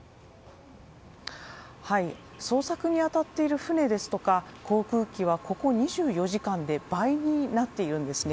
捜索に当たっている船ですとか航空機はここ２４時間で倍になっているんですね。